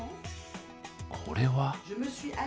これは？